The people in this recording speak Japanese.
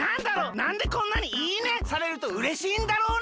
なんでこんなに「いいね」されるとうれしいんだろうね？